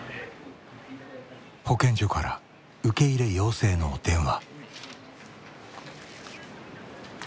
保健所から受け入れ要請の電話。